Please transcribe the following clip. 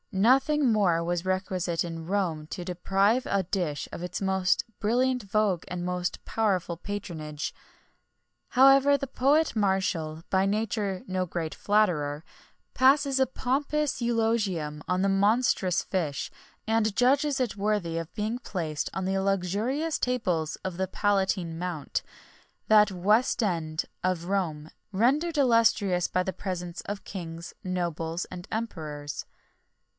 Nothing more was requisite in Rome to deprive a dish of its most brilliant vogue and most powerful patronage. However, the poet Martial, by nature no great flatterer, passes a pompous eulogium on the monstrous fish,[XXI 35] and judges it worthy of being placed on the luxurious tables of the Palatine Mount, that Westend of Rome, rendered illustrious by the presence of kings, nobles, and emperors.